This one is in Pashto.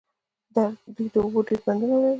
دوی د اوبو ډیر بندونه لري.